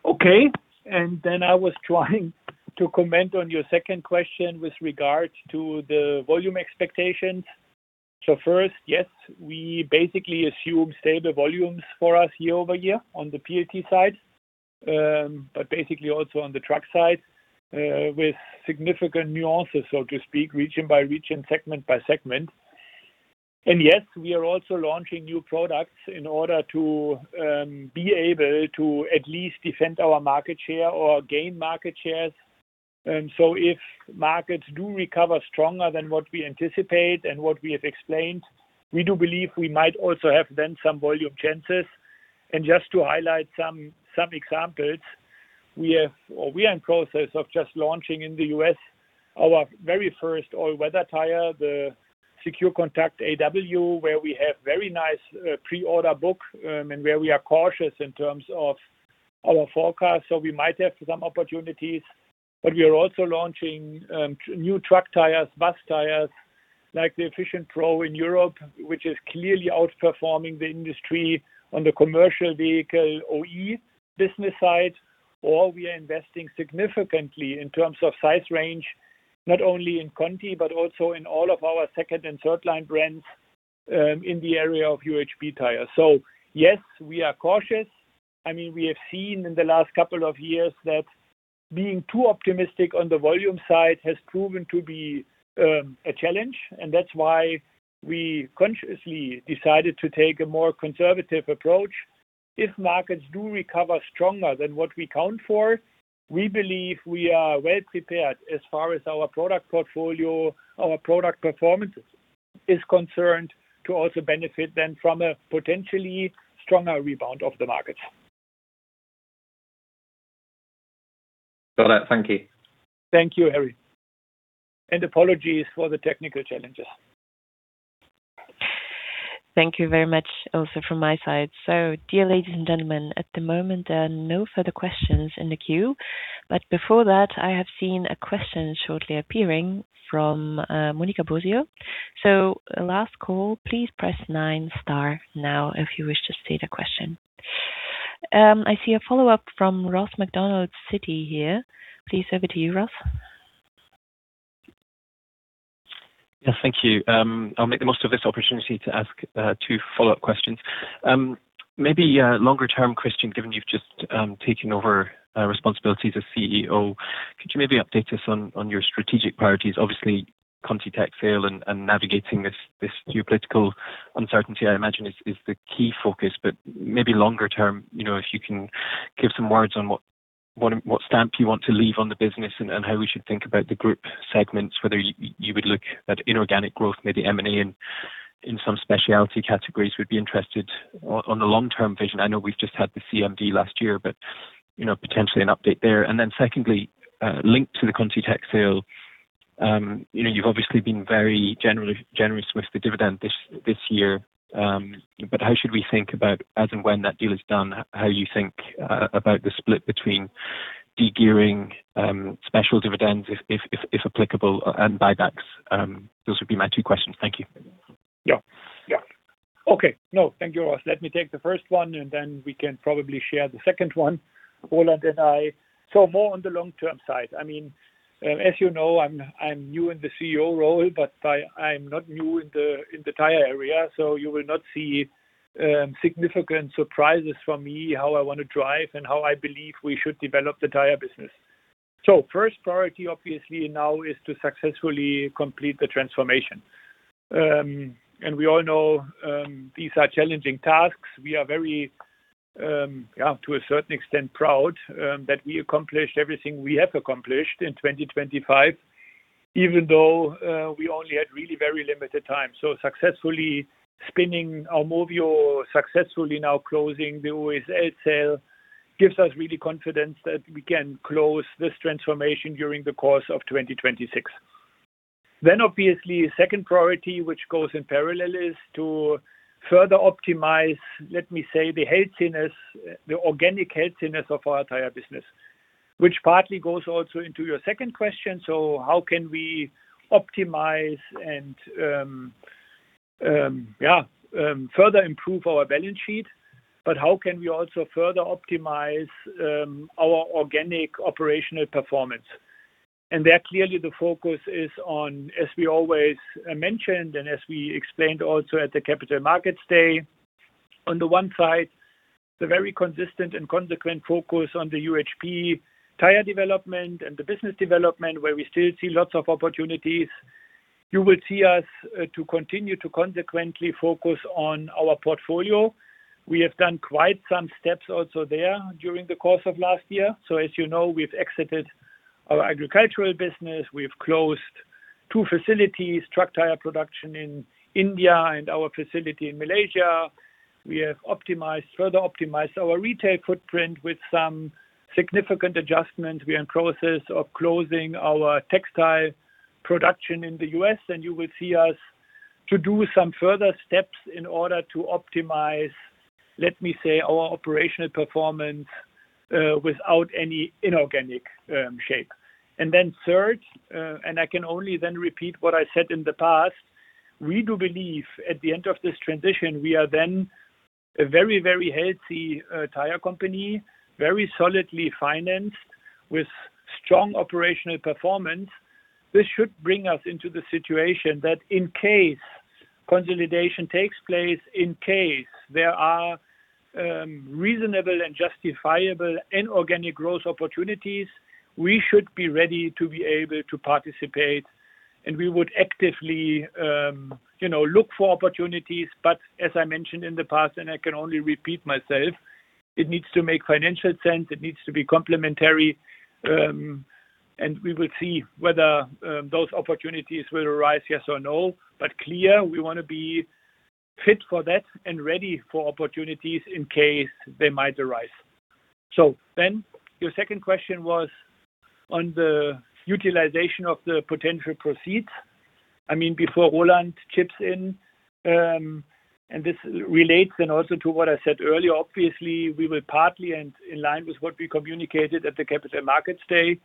Okay. I was trying to comment on your second question with regards to the volume expectations. First, yes, we basically assume stable volumes for us year-over-year on the PLT side, but basically also on the truck side, with significant nuances, so to speak, region by region, segment by segment. Yes, we are also launching new products in order to be able to at least defend our market share or gain market shares. If markets do recover stronger than what we anticipate and what we have explained, we do believe we might also have then some volume chances. Just to highlight some examples, We are in process of just launching in the U.S. our very first all-weather tire, the SecureContact AW, where we have very nice pre-order book, and where we are cautious in terms of our forecast. We might have some opportunities, but we are also launching new truck tires, bus tires, like the EfficientPro in Europe, which is clearly outperforming the industry on the commercial vehicle OE business side. We are investing significantly in terms of size range, not only in Conti, but also in all of our second and third line brands in the area of UHP tires. Yes, we are cautious. I mean, we have seen in the last couple of years that being too optimistic on the volume side has proven to be a challenge, and that's why we consciously decided to take a more conservative approach. If markets do recover stronger than what we count for, we believe we are well prepared as far as our product portfolio, our product performance is concerned, to also benefit then from a potentially stronger rebound of the markets. Got it. Thank you. Thank you, Harry. Apologies for the technical challenges. Thank you very much also from my side. Dear ladies and gentlemen, at the moment, there are no further questions in the queue. Before that, I have seen a question shortly appearing from Monica Bosio. Last call, please press nine star now if you wish to state a question. I see a follow-up from Ross MacDonald, Citi here. Please over to you, Ross. Yes. Thank you. I'll make the most of this opportunity to ask two follow-up questions. Maybe a longer-term question, given you've just taken over responsibilities as CEO. Could you maybe update us on your strategic priorities? Obviously, ContiTech sale and navigating this geopolitical uncertainty, I imagine is the key focus. Maybe longer term, you know, if you can give some words on what stamp you want to leave on the business and how we should think about the group segments, whether you would look at inorganic growth, maybe M&A in some specialty categories. We'd be interested on the long-term vision. I know we've just had the CMD last year, but, you know, potentially an update there. Secondly, linked to the ContiTech sale, you know, you've obviously been very generous with the dividend this year. How should we think about as and when that deal is done, how you think about the split between de-gearing, special dividends if applicable, and buybacks? Those would be my two questions. Thank you. Yeah. Yeah. Okay. No, thank you, Ross. Let me take the first one, and then we can probably share the second one, Roland and I. More on the long-term side. I mean, as you know, I'm new in the CEO role, but I'm not new in the tire area. You will not see significant surprises from me, how I want to drive and how I believe we should develop the tire business. First priority, obviously, now is to successfully complete the transformation. We all know, these are challenging tasks. We are very, yeah, to a certain extent, proud, that we accomplished everything we have accomplished in 2025, even though we only had really very limited time. Successfully spinning Armovio successfully now closing the OESL sale gives us really confidence that we can close this transformation during the course of 2026. Obviously, second priority, which goes in parallel, is to further optimize, let me say, the healthiness, the organic healthiness of our tire business, which partly goes also into your second question. How can we optimize and, yeah, further improve our balance sheet, but how can we also further optimize our organic operational performance? There clearly the focus is on, as we always mentioned, and as we explained also at the Capital Markets Day, on the one side, the very consistent and consequent focus on the UHP tire development and the business development, where we still see lots of opportunities. You will see us to continue to consequently focus on our portfolio. We have done quite some steps also there during the course of last year. As you know, we've exited our agricultural business. We've closed two facilities, truck tire production in India and our facility in Malaysia. We have further optimized our retail footprint with some significant adjustment. We are in process of closing our textile production in the U.S., and you will see us to do some further steps in order to optimize, let me say, our operational performance without any inorganic shape. Third, and I can only then repeat what I said in the past, we do believe at the end of this transition, we are then a very, very healthy tire company, very solidly financed with strong operational performance. This should bring us into the situation that in case consolidation takes place, in case there are reasonable and justifiable inorganic growth opportunities, we should be ready to be able to participate, and we would actively, you know, look for opportunities. As I mentioned in the past, and I can only repeat myself, it needs to make financial sense. It needs to be complementary. And we will see whether those opportunities will arise, yes or no. Clear, we wanna be fit for that and ready for opportunities in case they might arise. Your second question was on the utilization of the potential proceeds. I mean, before Roland chips in, this relates then also to what I said earlier, obviously, we will partly and in line with what we communicated at the Capital Markets Day,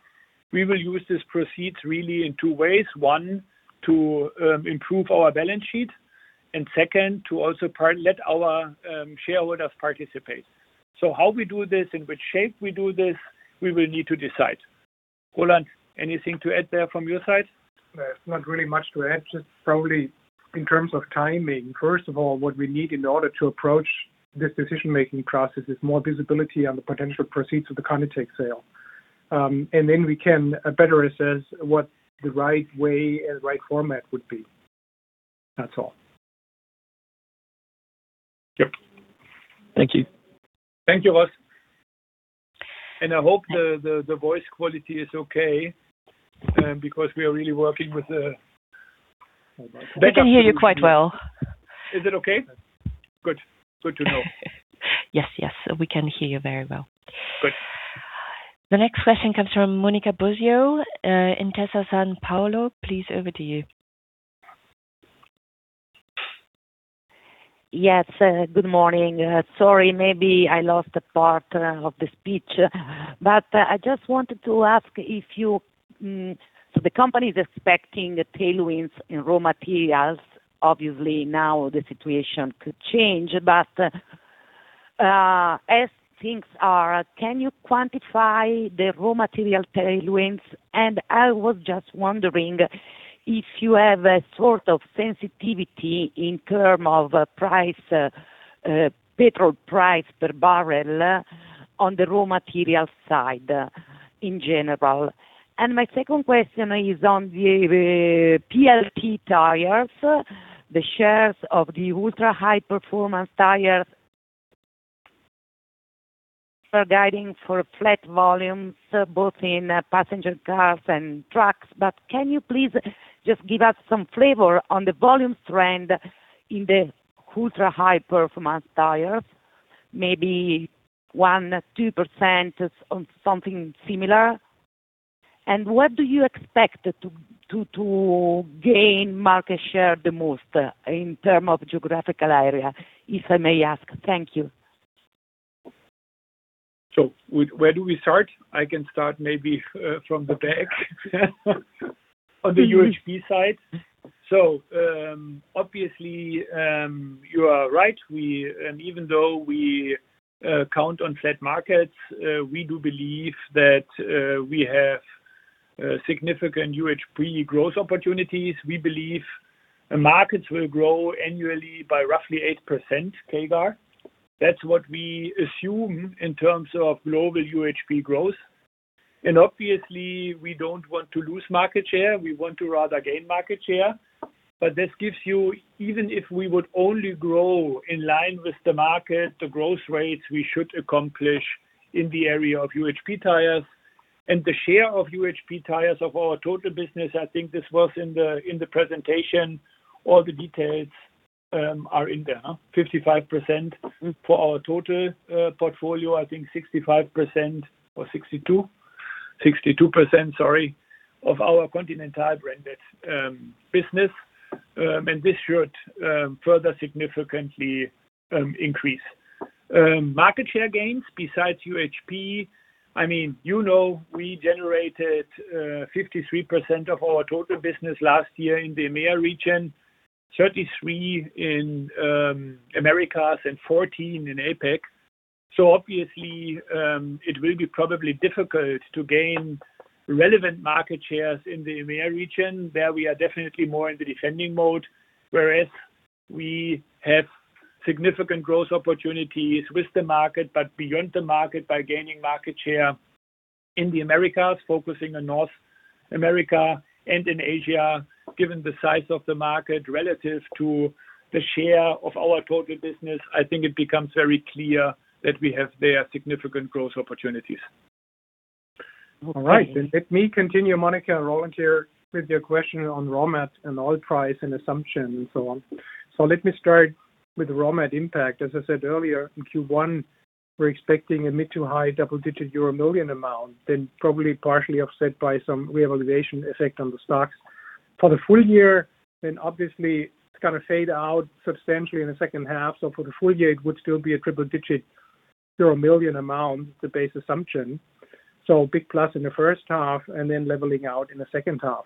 we will use these proceeds really in two ways. One, to improve our balance sheet, and second, to also let our shareholders participate. How we do this, in which shape we do this, we will need to decide. Roland, anything to add there from your side? Not really much to add, just probably in terms of timing. First of all, what we need in order to approach this decision-making process is more visibility on the potential proceeds of the ContiTech sale. Then we can better assess what the right way and right format would be. That's all. Yep. Thank you. Thank you, Ross. I hope the voice quality is okay, because we are really working with a backup solution. We can hear you quite well. Is it okay? Good. Good to know. Yes. Yes. We can hear you very well. Good. The next question comes from Monica Bosio, Intesa Sanpaolo. Please, over to you. Yes, good morning. I just wanted to ask if you, the company is expecting tailwinds in raw materials? Obviously, now the situation could change. As things are, can you quantify the raw material tailwinds? I was just wondering if you have a sort of sensitivity in term of price, petrol price per barrel on the raw material side in general. My second question is on the PLT tires, the shares of the ultra-high performance tires, are guiding for flat volumes both in passenger cars and trucks, can you please just give us some flavor on the volume trend in the ultra-high performance tires? Maybe 1%, 2% or something similar. What do you expect to gain market share the most in term of geographical area, if I may ask? Thank you. Where do we start? I can start maybe from the back. On the UHP side. Obviously, you are right. We. And even though we count on flat markets, we do believe that we have significant UHP growth opportunities. We believe markets will grow annually by roughly 8% CAGR. That's what we assume in terms of global UHP growth. Obviously, we don't want to lose market share. We want to rather gain market share. This gives you even if we would only grow in line with the market, the growth rates we should accomplish in the area of UHP tires. The share of UHP tires of our total business, I think this was in the presentation, all the details are in there, huh? 55% for our total portfolio. I think 65% or 62%. 62%, sorry, of our Continental branded business. This should further significantly increase. Market share gains besides UHP, I mean, you know we generated 53% of our total business last year in the EMEA region, 33% in Americas, and 14% in APAC. Obviously, it will be probably difficult to gain relevant market shares in the EMEA region, where we are definitely more in the defending mode. Whereas we have significant growth opportunities with the market, but beyond the market by gaining market share in the Americas, focusing on North America and in Asia, given the size of the market relative to the share of our total business, I think it becomes very clear that we have there significant growth opportunities. All right. Let me continue, Monica, and Roland here with your question on raw mat and oil price and assumption and so on. Let me start with raw mat impact. As I said earlier, in Q1, we're expecting a mid to high double-digit million euros amount, then probably partially offset by some revaluation effect on the stocks. For the full year, obviously it's gonna fade out substantially in the second half. For the full year, it would still be a triple-digit euro million amount, the base assumption. Big plus in the first half and then leveling out in the second half.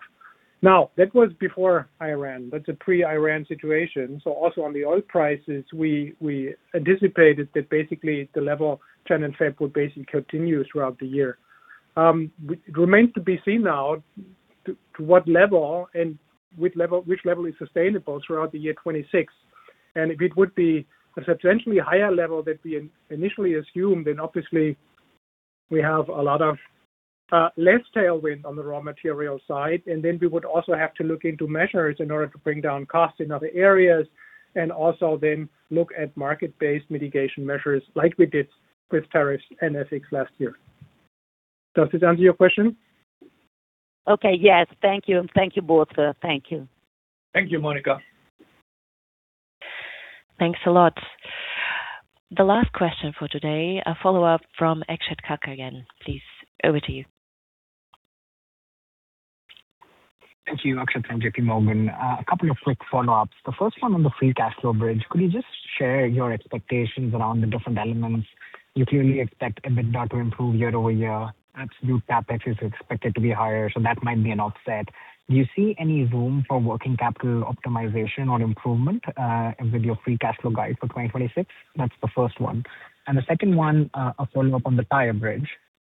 That was before Iran. That's a pre-Iran situation. Also on the oil prices, we anticipated that basically the level trend in February would basically continue throughout the year. It remains to be seen now to what level and which level is sustainable throughout the year 2026. If it would be a substantially higher level than we initially assumed, then obviously we have a lot of less tailwind on the raw material side. We would also have to look into measures in order to bring down costs in other areas and also then look at market-based mitigation measures like we did with tariffs and Vitesco last year. Does this answer your question? Okay, yes. Thank you. Thank you both. Thank you. Thank you, Monica. Thanks a lot. The last question for today, a follow-up from Akshat Kacker again. Please, over to you. Thank you. Akshat from J.P. Morgan. A couple of quick follow-ups. The first one on the free cash flow bridge. Could you just share your expectations around the different elements? You clearly expect EBITDA to improve year-over-year. Absolute CapEx is expected to be higher, so that might be an offset. Do you see any room for working capital optimization or improvement, with your free cash flow guide for 2026? That's the first one. The second one, a follow-up on the Tire bridge.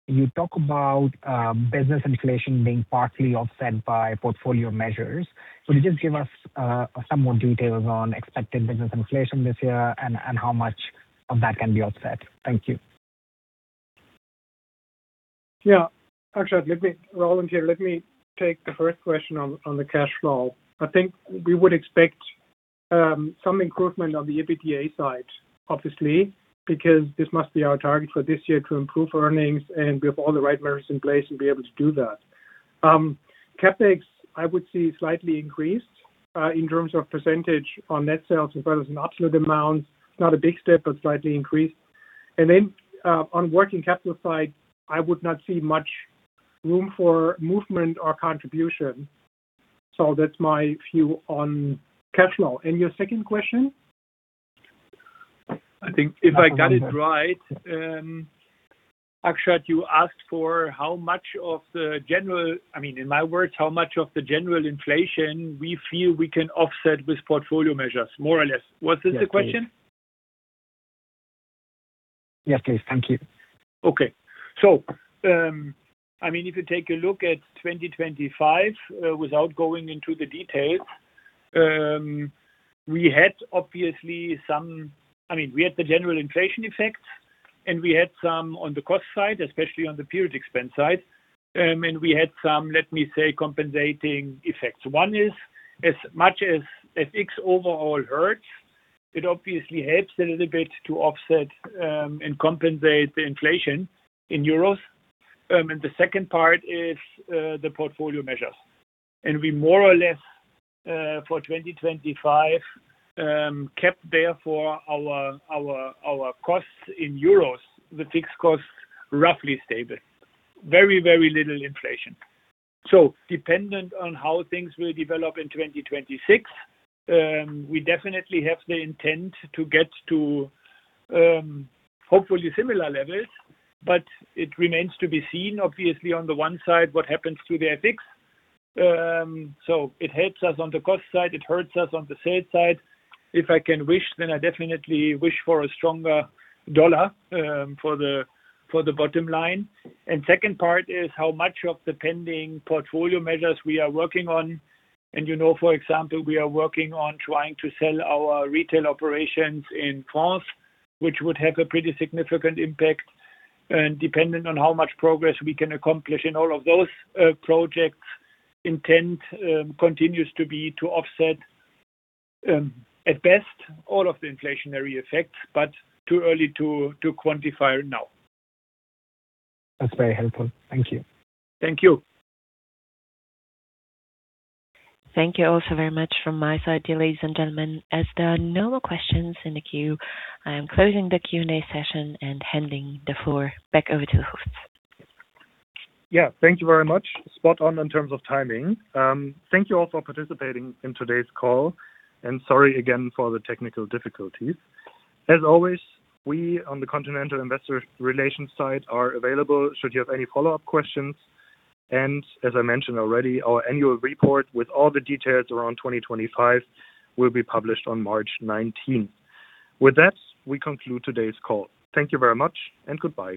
You talk about, business inflation being partly offset by portfolio measures. Could you just give us, some more details on expected business inflation this year and how much of that can be offset? Thank you. Yeah. Akshat Kacker, Roland here. Let me take the first question on the cash flow. I think we would expect some improvement on the EBITDA side, obviously, because this must be our target for this year to improve earnings, and we have all the right measures in place and be able to do that. CapEx, I would see slightly increased in terms of percentage on net sales as well as an absolute amount. It's not a big step, but slightly increased. On working capital side, I would not see much room for movement or contribution. That's my view on cash flow. Your second question? I think if I got it right, Akshat, you asked for I mean, in my words, how much of the general inflation we feel we can offset with portfolio measures, more or less. Was this the question? Yes, please. Thank you. Okay. I mean, if you take a look at 2025, without going into the details, we had the general inflation effects, and we had some on the cost side, especially on the period expense side. We had some, let me say, compensating effects. One is, as much as FX overall hurts, it obviously helps a little bit to offset, and compensate the inflation in euros. The second part is, the portfolio measures. We more or less, for 2025, kept therefore our costs in euros, the fixed costs, roughly stable. Very, very little inflation. Dependent on how things will develop in 2026, we definitely have the intent to get to, hopefully similar levels, but it remains to be seen, obviously, on the one side, what happens to the Vitesco. It helps us on the cost side, it hurts us on the sales side. If I can wish, then I definitely wish for a stronger dollar, for the, for the bottom line. Second part is how much of the pending portfolio measures we are working on. You know, for example, we are working on trying to sell our retail operations in France, which would have a pretty significant impact. Depending on how much progress we can accomplish in all of those, projects, intent, continues to be to offset, at best all of the inflationary effects, but too early to quantify now. That's very helpful. Thank you. Thank you. Thank you all so very much from my side, dear ladies and gentlemen. As there are no more questions in the queue, I am closing the Q&A session and handing the floor back over to the hosts. Thank you very much. Spot on in terms of timing. Thank you all for participating in today's call, and sorry again for the technical difficulties. As always, we on the Continental Investor Relations side are available should you have any follow-up questions. As I mentioned already, our annual report with all the details around 2025 will be published on March 19th. With that, we conclude today's call. Thank you very much and goodbye.